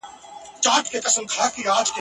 ژړا هېره خنداګاني سوی ښادي سوه ..